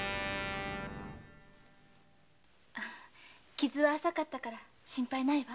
傷は浅かったから心配ないわ。